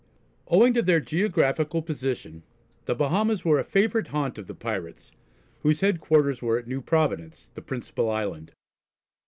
Owing to their geographical position, the Bahamas were a favourite haunt of the pirates, whose headquarters were at New Providence, the principal island.